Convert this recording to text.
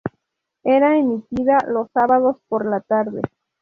Era emitida los sábados por la tarde.